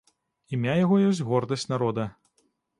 Імя яго ёсць гордасць народа.